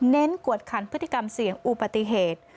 กวดขันพฤติกรรมเสี่ยงอุบัติเหตุ